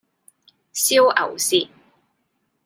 燒牛舌